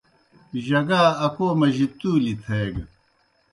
جگا اکو مجیْ تُولیْ تھیگہ۔